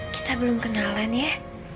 kita belum kenalan ya